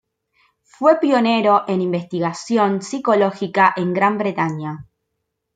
Fue pionero en investigación Psicológica en Gran Bretaña.